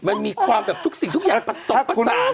มันมีความแบบทุกสิ่งทุกอย่างผสมผสาน